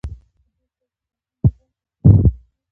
ډېری تاریخي کلاګانې د غرونو پر سرونو جوړې شوې دي.